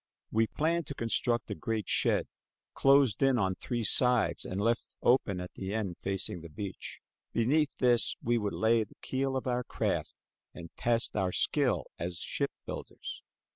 We planned to construct a great shed, closed in on three sides and left open at the end facing the beach. Beneath this we would lay the keel of our craft and test our skill as ship builders.